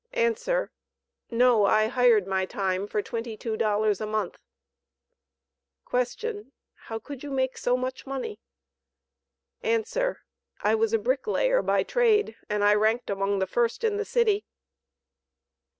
A. "No. I hired my time for twenty two dollars a month." Q. "How could you make so much money?" A. "I was a bricklayer by trade, and ranked among the first in the city."